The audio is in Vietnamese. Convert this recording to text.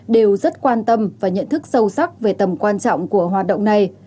đều rất quan tâm và nhận thức sâu sắc về tầm quan trọng của hoạt động này